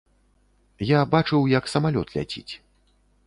Я бачыў, як самалёт ляціць.